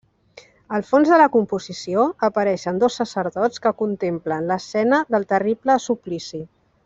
Al fons de la composició apareixen dos sacerdots que contemplen l’escena del terrible suplici.